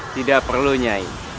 tidak perlu nyai